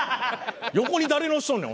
横に誰乗せとんねん？